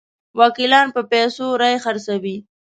وکیلان په پیسو رایې خرڅوي.